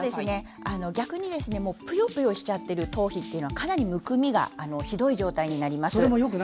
逆にぷよぷよしちゃってる頭皮はかなり、むくみがひどい状態になります。